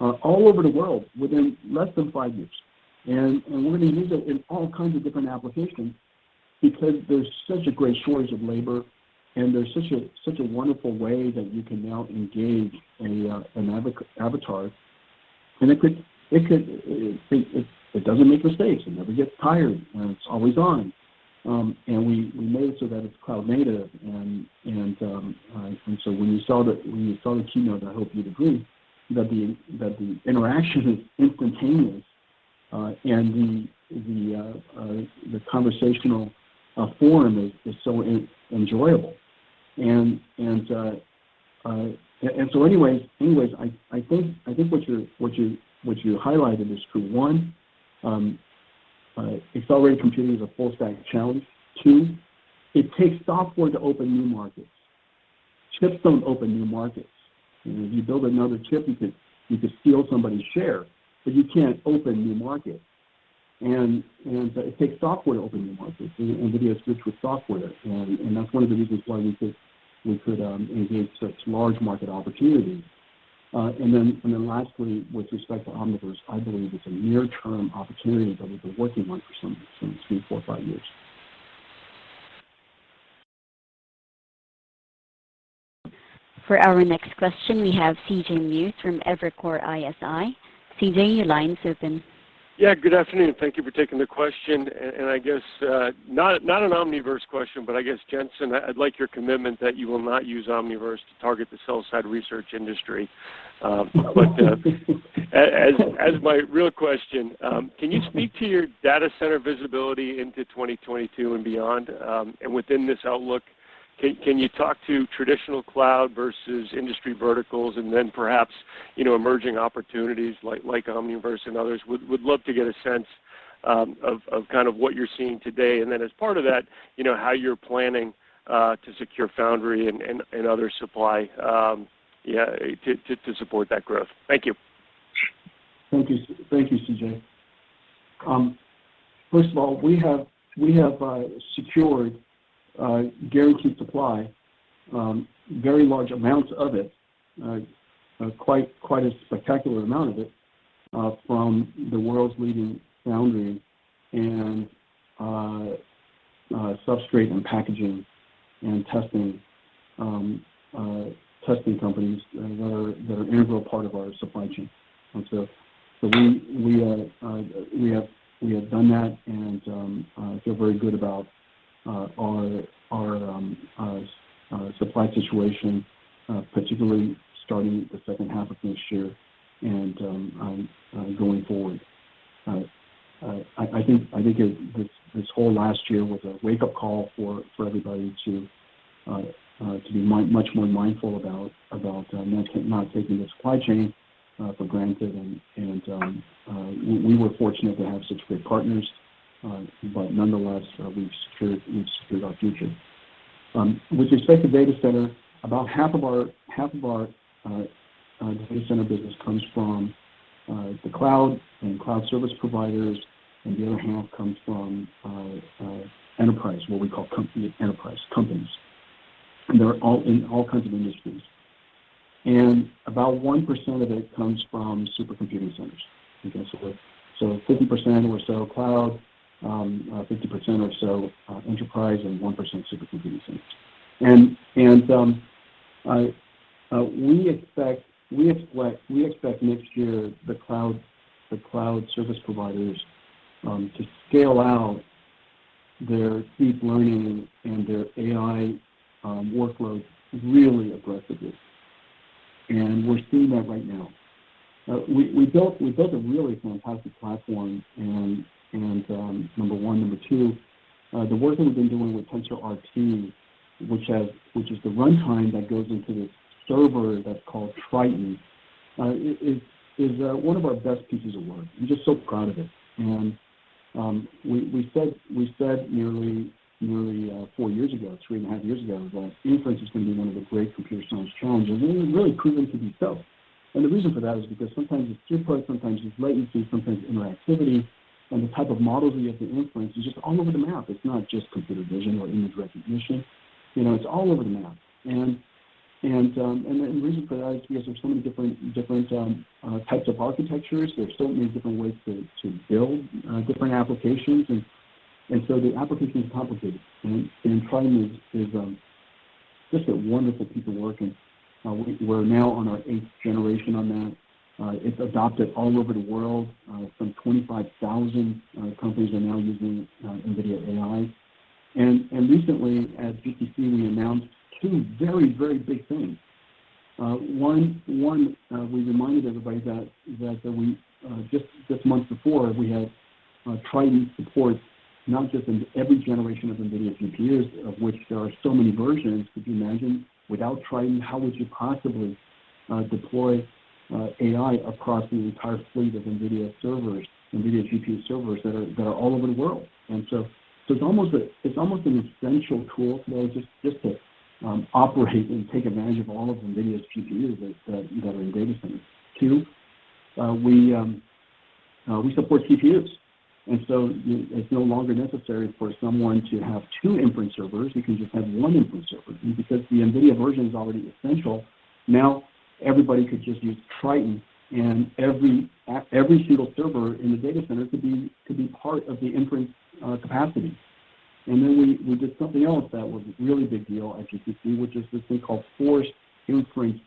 Speaker 5: all over the world within less than five years. We're going to use it in all kinds of different applications because there's such a great shortage of labor, and there's such a wonderful way that you can now engage an avatar. It doesn't make mistakes. It never gets tired. It's always on. We made it so that it's cloud native. When you saw the keynote, I hope you'd agree that the interaction is instantaneous and the conversational form is so enjoyable. Anyway, I think what you highlighted is true. One, accelerated computing is a full-stack challenge. Two, it takes software to open new markets. Chips don't open new markets. You build another chip, you can steal somebody's share, but you can't open new markets. It takes software to open new markets. NVIDIA succeeds with software. That's one of the reasons why we could engage such large market opportunities. Lastly, with respect to Omniverse, I believe it's a near-term opportunity that we've been working on for some three, four, five years.
Speaker 1: For our next question, we have C.J. Muse from Evercore ISI. CJ, your line's open.
Speaker 7: Yeah, good afternoon. Thank you for taking the question. I guess not an Omniverse question, but I guess, Jensen, I'd like your commitment that you will not use Omniverse to target the sell-side research industry. As my real question, can you speak to your data center visibility into 2022 and beyond? Within this outlook, can you talk to traditional cloud versus industry verticals and then perhaps, you know, emerging opportunities like Omniverse and others? Would love to get a sense of kind of what you're seeing today. As part of that, you know, how you're planning to secure foundry and other supplies to support that growth. Thank you.
Speaker 5: Thank you. Thank you, C.J. First of all, we have secured a guaranteed supply, very large amounts of it, quite a spectacular amount of it, from the world's leading foundry and substrate, packaging, and testing companies that are an integral part of our supply chain. We have done that and feel very good about our supply situation, particularly starting the second half of this year and going forward. I think this whole last year was a wake-up call for everybody to be much more mindful about not taking the supply chain for granted. We were fortunate to have such great partners. But nonetheless, we've secured our future. With respect to the data center, about half of our data center business comes from the cloud and cloud service providers, and the other half comes from enterprise, what we call company enterprise, companies. They're all in all kinds of industries. About 1% of it comes from supercomputing centers. 50% or so cloud, 50% or so enterprise, and 1% supercomputing centers. We expect next year the cloud service providers to scale out their deep learning and their AI workloads really aggressively. We're seeing that right now. We built a really fantastic platform, and number one. Number two, the work that we've been doing with TensorRT, which is the runtime that goes into the server that's called Triton, it is one of our best pieces of work. I'm just so proud of it. We said nearly four years ago, three and a half years ago, that inference is gonna be one of the great computer science challenges, and it really has proven to be so. The reason for that is that sometimes it's throughput, sometimes it's latency, sometimes interactivity, and the type of models you have to infer is just all over the map. It's not just computer vision or image recognition. You know, it's all over the map. The reason is that there are so many different types of architectures. There are so many different ways to build different applications. The application is complicated. Triton is just a wonderful piece of work, and we're now on our eighth generation on that. It's adopted all over the world. Some 25,000 companies are now using NVIDIA AI. Recently, at GTC, we announced two very big things. One, we reminded everybody that just months before, we had Triton support not just in every generation of NVIDIA GPUs, of which there are so many versions. Could you imagine, without Triton, how you would possibly deploy AI across the entire fleet of NVIDIA servers, NVIDIA GPU servers that are all over the world? It's almost an essential tool now just to operate and take advantage of all of NVIDIA's GPUs that are in data centers. Too, we support CPUs. It's no longer necessary for someone to have two inference servers. You can just have one inference server. Because the NVIDIA version is already essential, now everybody can just use Triton, and every single server in the data center can be part of the inference capacity. We did something else that was a really big deal at GTC, which is this thing called Forest Inference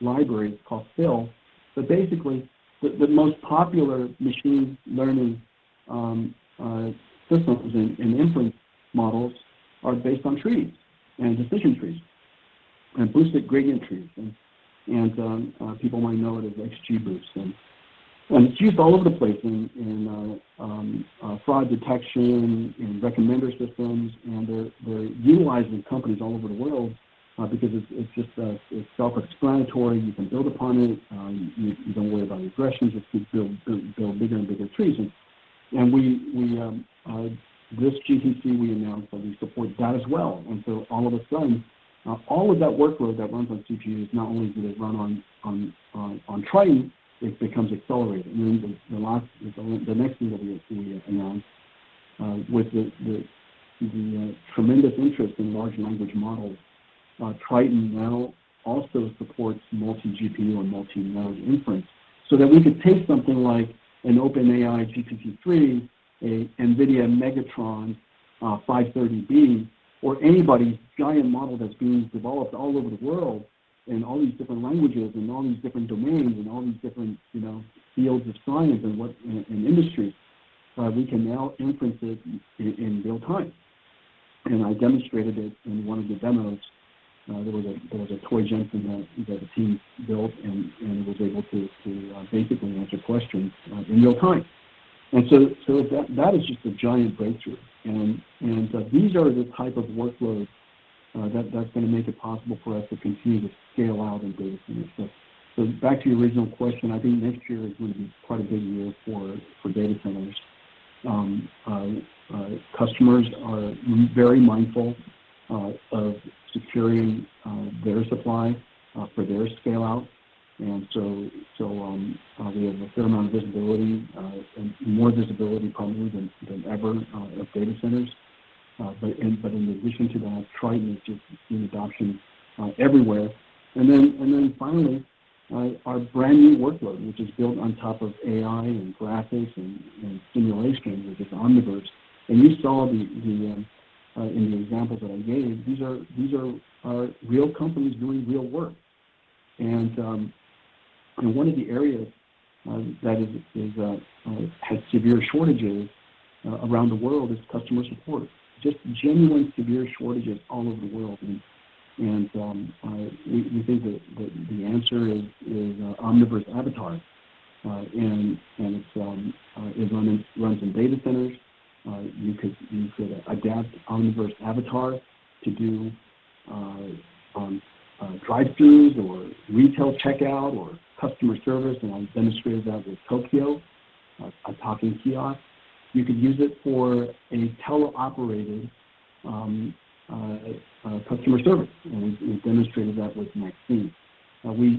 Speaker 5: Library, it's called FIL. Basically, the most popular machine learning systems and inference models are based on trees, decision trees, and boosted gradient trees. People might know it as XGBoost. It's used all over the place in fraud detection, in recommender systems. They're utilized in companies all over the world because it's just self-explanatory. You can build upon it. You don't worry about regressions as you build bigger and bigger trees. In this GTC, we announced that we support that as well. All of a sudden, all of that workload that runs on CPUs, not only do they run on Triton, but it becomes accelerated. The next thing that we announced, with the tremendous interest in large language models, Triton now also supports multi-GPU and multi-node inference so that we could take something like an OpenAI GPT-3, an NVIDIA Megatron 530B, or anybody's giant model that's being developed all over the world in all these different languages and all these different domains and all these different, you know, fields of science and in industry, we can now inference it in real time. I demonstrated it in one of the demos. There was a toy Jensen that the team built, and it was able to basically answer questions in real time. That is just a giant breakthrough. These are the type of workloads that're gonna make it possible for us to continue to scale out in data centers. Back to your original question, I think next year is gonna be quite a big year for data centers. Customers are very mindful of securing their supply for their scale-out. We have a fair amount of visibility, and more visibility, probably than ever, of data centers. But in addition to that, Triton is just seeing adoption everywhere. Finally, our brand-new workload, which is built on top of AI, graphics, and simulation, is Omniverse. You saw in the examples that I gave that these are real companies doing real work. One of the areas that has severe shortages around the world is customer support. Just genuine severe shortages all over the world. We think that the answer is Omniverse Avatar. It runs in data centers. You could adapt Omniverse Avatar to do drive-throughs, or retail checkout, or customer service, and I demonstrated that with Tokkio, a talking kiosk. You could use it for a teleoperated customer service, and we demonstrated that with Maxine. We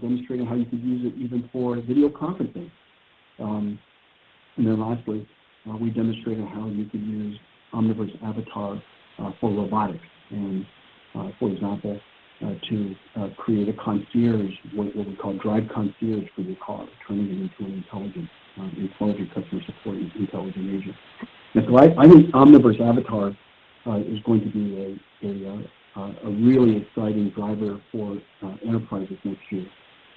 Speaker 5: demonstrated how you could use it even for video conferencing. Then lastly, we demonstrated how you could use Omniverse Avatar for robotics, and for example, to create a concierge, what we call DRIVE Concierge for your car, turning it into an intelligent customer support, intelligent agent. I think Omniverse Avatar is going to be a really exciting driver for enterprises next year.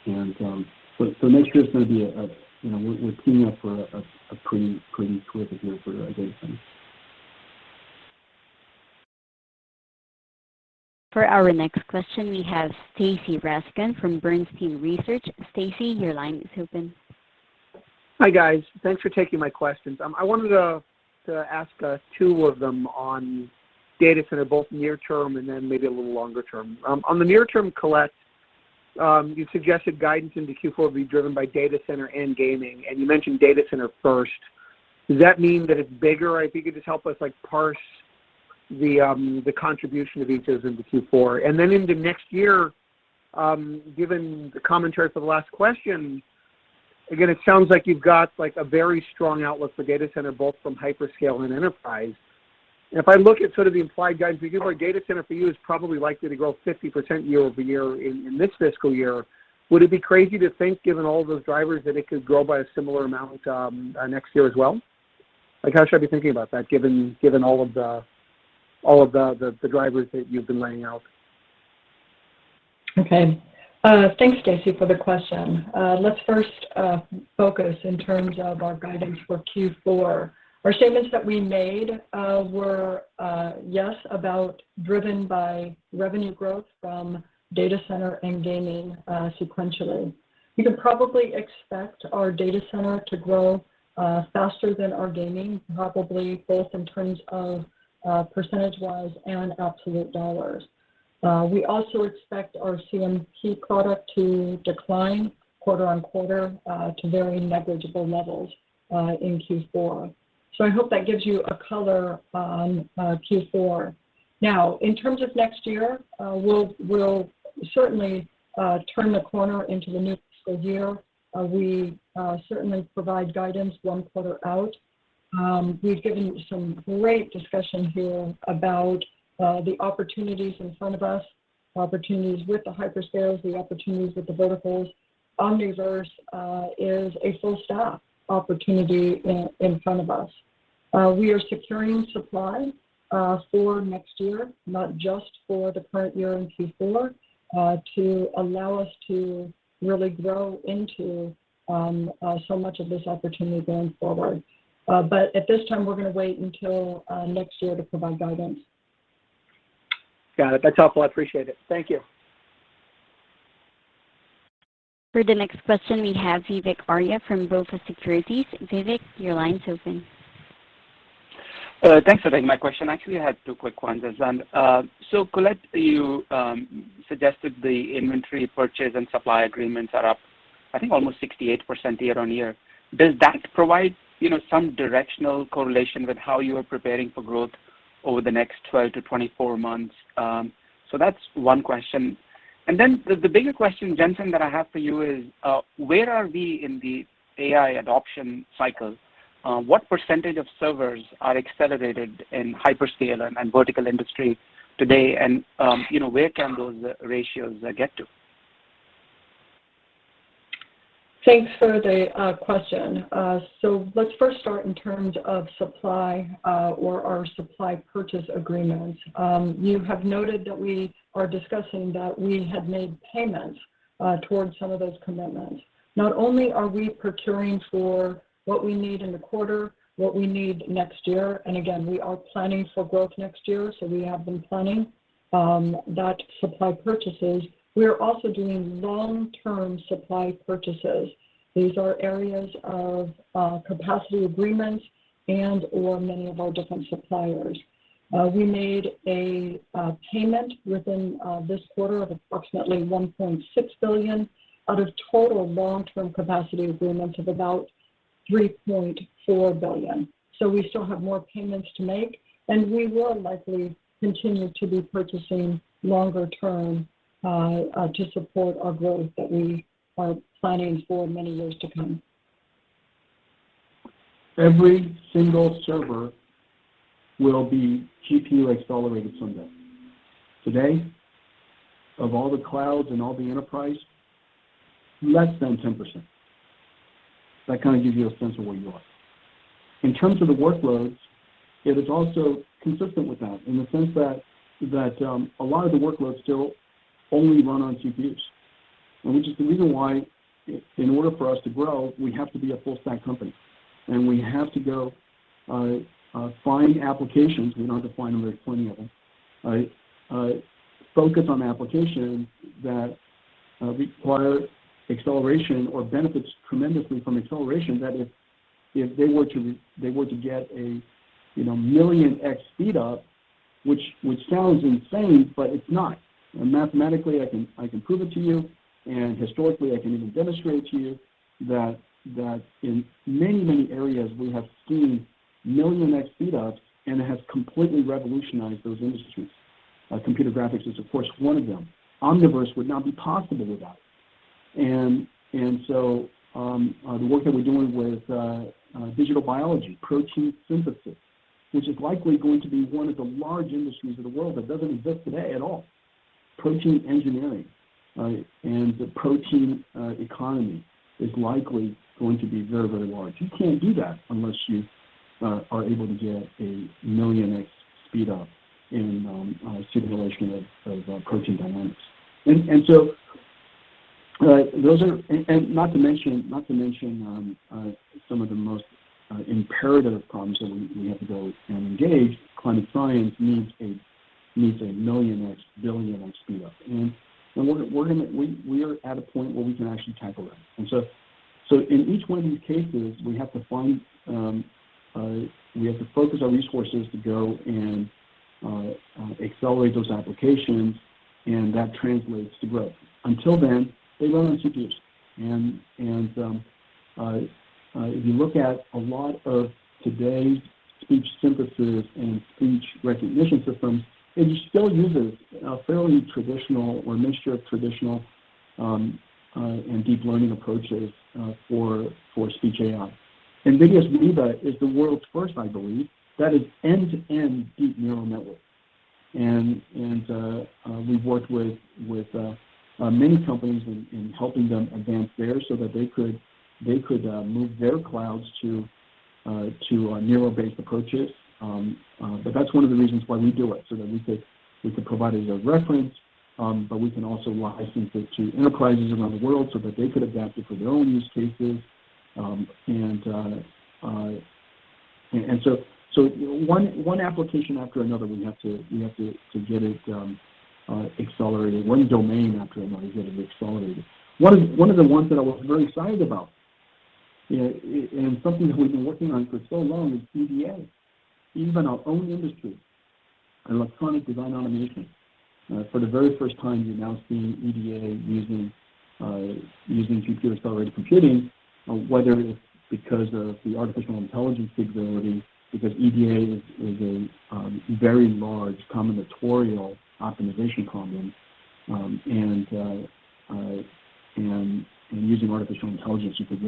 Speaker 5: Next year's gonna be a you know, we're teeing up for a pretty terrific year for data centers.
Speaker 1: For our next question, we have Stacy Rasgon from Bernstein Research. Stacy, your line is open.
Speaker 8: Hi, guys. Thanks for taking my questions. I wanted to ask two of them about the data center, both near-term and then maybe a little longer term. In the near term, Colette, you suggested guidance into Q4 will be driven by data center and gaming, and you mentioned data center first. Does that mean that it's bigger? If you could just help us, like, parse the contribution of each of them to Q4. Then into next year, given the commentary for the last question, again, it sounds like you've got, like, a very strong outlook for data center, both from hyperscale and enterprise. If I look at sort of the implied guidance, because our data center for you is probably likely to grow 50% year-over-year in this fiscal year, would it be crazy to think, given all those drivers, that it could grow by a similar amount next year as well? Like, how should I be thinking about that, given all of the drivers that you've been laying out?
Speaker 3: Okay. Thanks, Stacy, for the question. Let's first focus on our guidance for Q4. Our statements that we made were, yes, driven by revenue growth from Data Center and Gaming sequentially. You can probably expect our Data Center to grow faster than our Gaming, probably both in terms of percentage-wise and absolute dollars. We also expect our CMP product to decline quarter-over-quarter to very negligible levels in Q4. I hope that gives you a color on Q4. Now, in terms of next year, we'll certainly turn the corner into the new fiscal year. We certainly provide guidance one quarter out. We've given you some great discussion here about the opportunities in front of us, opportunities with the hyperscalers, the opportunities with the verticals. Omniverse is a full-stack opportunity in front of us. We are securing supply for next year, not just for the current year in Q4 to allow us to really grow into so much of this opportunity going forward. At this time, we're gonna wait until next year to provide guidance.
Speaker 8: Got it. That's helpful. I appreciate it. Thank you.
Speaker 1: For the next question, we have Vivek Arya from BofA Securities. Vivek, your line's open.
Speaker 9: Thanks for taking my question. Actually, I had two quick ones. Colette, you suggested the inventory purchase and supply agreements are up, I think almost 68% year-over-year. Does that provide, you know, some directional correlation with how you are preparing for growth over the next 12-24 months? That's one question. The bigger question, Jensen, that I have for you is, where are we in the AI adoption cycle? What percentage of servers are accelerated in hyperscale and vertical industries today? You know, where can those ratios get to?
Speaker 3: Thanks for the question. Let's first start in terms of our supply purchase agreements. You have noted that we are discussing that we have made payments towards some of those commitments. Not only are we procuring for what we need in the quarter, what we need next year, and again we are also planning for growth next year, so we have been planning those supply purchases. We are also doing long-term supply purchases. These are areas of capacity agreements and/or many of our different suppliers. We made a payment within this quarter of approximately $1.6 billion out of the total long-term capacity agreement of about $3.4 billion. We still have more payments to make, and we will likely continue to be purchasing longer term to support our growth, which we have been planning for many years to come.
Speaker 5: Every single server will be GPU-accelerated someday. Today, of all the clouds and all the enterprise, less than 10%. That kind of gives you a sense of where you are. In terms of the workloads, it is also consistent with that in the sense that a lot of the workloads still only run on GPUs, which is the reason why, in order for us to grow, we have to be a full-stack company, and we have to go find applications. We know how to find them. There's plenty of them. Focus on applications that require acceleration or benefit tremendously from acceleration, that if they were to get a, you know, million x speedup, which sounds insane, but it's not. Mathematically, I can prove it to you, and historically, I can even demonstrate to you that in many areas, we have seen millions of x speedups, and it has completely revolutionized those industries. Computer graphics is, of course, one of them. Omniverse would not be possible without it. The work that we're doing with digital biology, protein synthesis, which is likely going to be one of the large industries of the world that doesn't exist today at all. Protein engineering and the protein economy are likely going to be very, very large. You can't do that unless you are able to get a million x speedup in the simulation of protein dynamics. Those are... Not to mention some of the most imperative problems that we have to go and engage with. Climate science needs a million-x, billion-x speedup. We are at a point where we can actually tackle that. In each one of these cases, we have to focus our resources on accelerating those applications, and that translates to growth. Until then, they run on CPUs. If you look at a lot of today's speech synthesis and speech recognition systems, it still uses a fairly traditional or a mixture of traditional and deep learning approaches for speech AI. NVIDIA's Riva is the world's first, I believe, that is end-to-end deep neural network. We've worked with many companies in helping them advance their own so that they could move their clouds to neural-based approaches. That's one of the reasons why we do it, so that we can provide it as a reference, but we can also license it to enterprises around the world so that they can adapt it for their own use cases. One application after another, we have to get it accelerated. One domain after another to get it accelerated. One of the ones that I'm very excited about, and something that we've been working on for so long, is EDA. Even our own industry, electronic design automation. For the very first time, you're now seeing EDA using GPU-accelerated computing, whether it's because of the artificial intelligence capability or because EDA is a very large combinatorial optimization problem. Using artificial intelligence, you could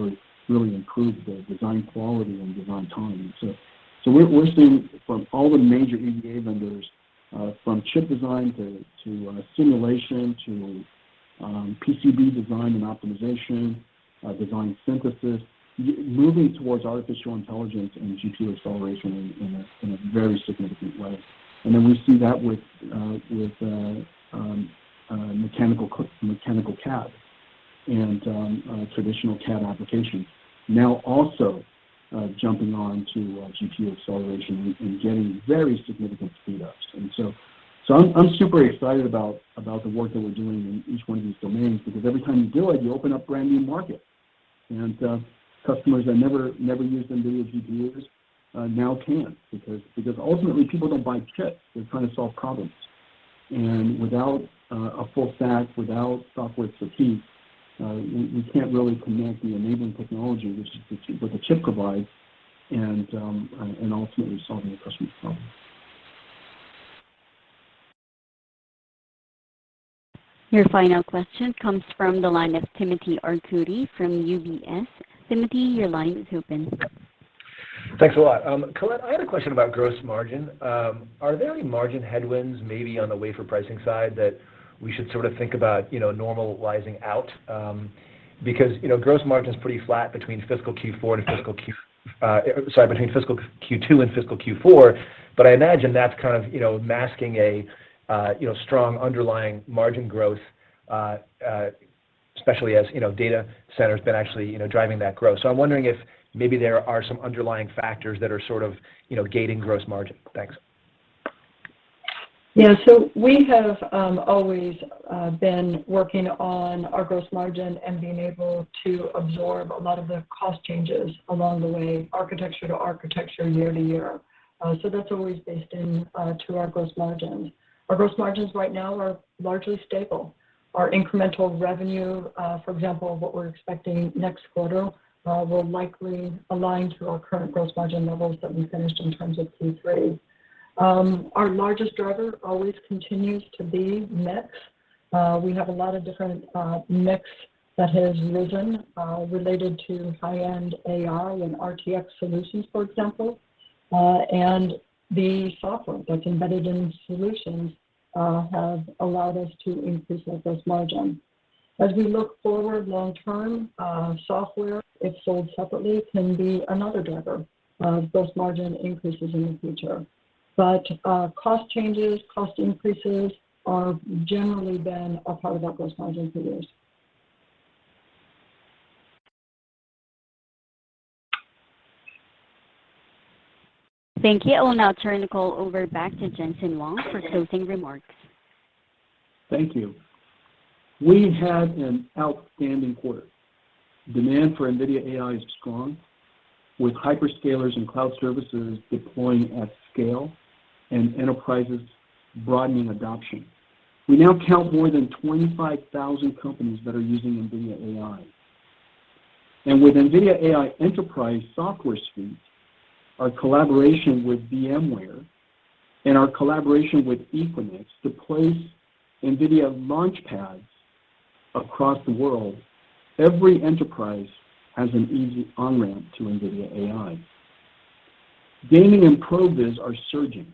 Speaker 5: really improve the design quality and design time. We're seeing from all the major EDA vendors, from chip design to simulation to PCB design and optimization, design synthesis, moving towards artificial intelligence and GPU acceleration in a very significant way. We see that with mechanical CAD and traditional CAD applications now also jumping onto GPU acceleration and getting very significant speedups. I'm super excited about the work that we're doing in each one of these domains, because every time you do it, you open up brand-new markets. Customers who never used NVIDIA GPUs now can because ultimately, people don't buy chips. They're trying to solve problems. Without a full stack, without a software SDK, you can't really connect the enabling technology, which the chip provides, and ultimately solve the customer's problem.
Speaker 1: Your final question comes from the line of Timothy Arcuri from UBS. Timothy, your line is open.
Speaker 10: Thanks a lot. Colette, I had a question about gross margin. Are there any margin headwinds maybe on the wafer pricing side that we should sort of think about, you know, normalizing out, because, you know, gross margin is pretty flat between fiscal Q2 and fiscal Q4. I imagine that's kind of, you know, masking a, you know, strong underlying margin growth, especially as, you know, Data Center has been actually, you know, driving that growth. I'm wondering if maybe there are some underlying factors that are sort of, you know, gating gross margin. Thanks.
Speaker 3: Yeah. We have always been working on our gross margin and being able to absorb a lot of the cost changes along the way, architecture to architecture, year to year. That's always baked into our gross margin. Our gross margins right now are largely stable. Our incremental revenue, for example, what we're expecting next quarter, will likely align with our current gross margin levels that we finished in terms of Q3. Our largest driver always continues to be the mix. We have a lot of different mixes that have arisen related to high-end AI and RTX solutions, for example. The software that's embedded in solutions has allowed us to increase our gross margin. As we look forward long term, software, if sold separately, can be another driver of gross margin increases in the future. Cost changes and cost increases have generally been a part of our gross margin for years.
Speaker 1: Thank you. I'll now turn the call over back to Jensen Huang for closing remarks.
Speaker 5: Thank you. We had an outstanding quarter. Demand for NVIDIA AI is strong, with hyperscalers and cloud services deploying at scale and enterprises broadening adoption. We now count more than 25,000 companies that are using NVIDIA AI. With the NVIDIA AI Enterprise software suite, our collaboration with VMware, and our collaboration with Equinix to place NVIDIA LaunchPads across the world, every enterprise has an easy on-ramp to NVIDIA AI. Gaming and ProViz are surging.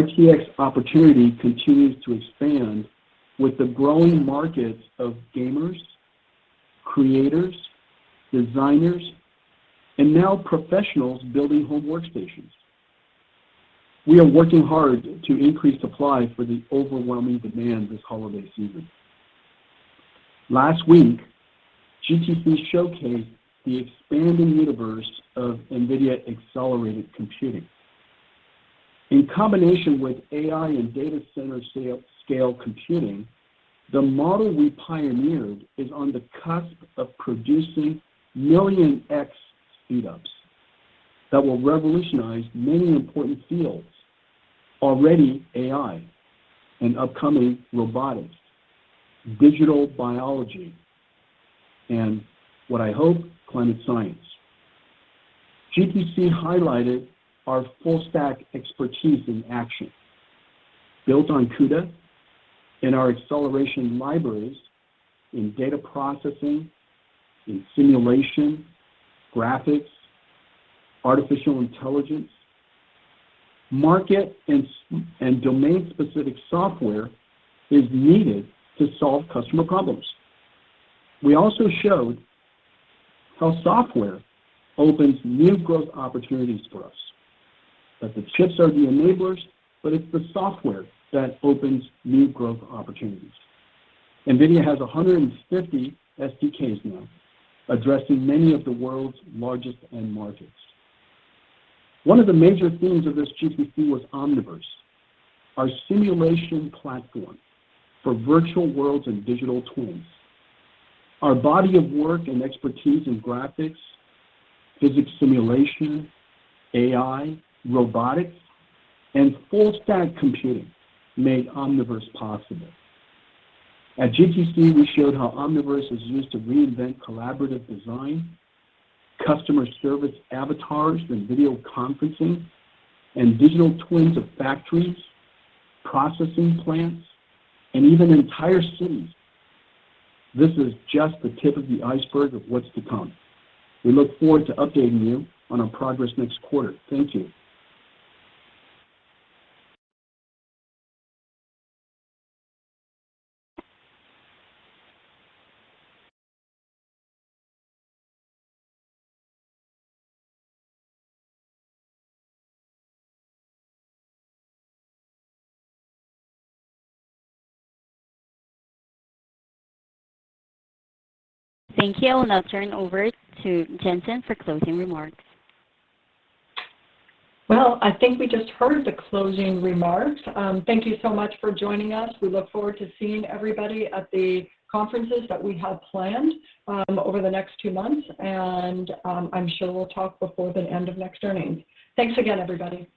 Speaker 5: RTX opportunity continues to expand with the growing markets of gamers, creators, designers, and now professionals building home workstations. We are working hard to increase supply for the overwhelming demand this holiday season. Last week, GTC showcased the expanding universe of NVIDIA accelerated computing. In combination with AI and data center scale computing, the model we pioneered is on the cusp of producing million X speedups that will revolutionize many important fields, already AI and upcoming robotics, digital biology, and what I hope, climate science. GTC highlighted our full-stack expertise in action. Built on CUDA and our acceleration libraries in data processing, simulation, graphics, artificial intelligence, market, and domain-specific software is needed to solve customer problems. We also showed how software opens new growth opportunities for us, that the chips are the enablers, but it's the software that opens new growth opportunities. NVIDIA has 150 SDKs now addressing many of the world's largest end markets. One of the major themes of this GTC was Omniverse, our simulation platform for virtual worlds and digital twins. Our body of work and expertise in graphics, physics simulation, AI, robotics, and full-stack computing made Omniverse possible. At GTC, we showed how Omniverse is used to reinvent collaborative design, customer service avatars through video conferencing, and digital twins of factories, processing plants, and even entire cities. This is just the tip of the iceberg of what's to come. We look forward to updating you on our progress next quarter. Thank you.
Speaker 1: Thank you. I'll now turn over to Jensen for closing remarks.
Speaker 3: Well, I think we just heard the closing remarks. Thank you so much for joining us. We look forward to seeing everybody at the conferences that we have planned over the next two months, and I'm sure we'll talk before the end of next earnings. Thanks again, everybody.